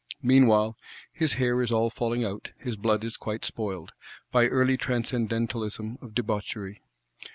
Meanwhile, "his hair is all falling out, his blood is quite spoiled,"—by early transcendentalism of debauchery.